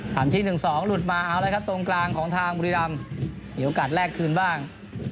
ตามชิ้น๑๒หลุดมาตรงกลางของทางบุรีรัมมีโอกาสแลกคืนบ้าง